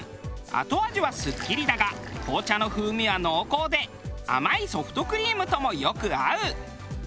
後味はスッキリだが紅茶の風味は濃厚で甘いソフトクリームともよく合う。